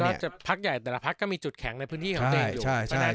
แต่ละคนก็จะพักใหญ่แต่ละพักก็มีจุดแข็งในพื้นที่ของเจมส์อยู่